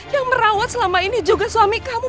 yang merawat selama ini juga suami kamu